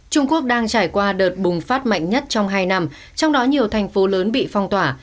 trung quốc đang trải qua đợt bùng phát mạnh nhất trong hai năm trong đó nhiều thành phố lớn bị phong tỏa